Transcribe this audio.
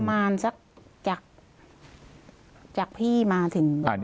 ประมาณสักจากพี่มาถึง